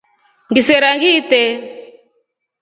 Ngisera ngiitre.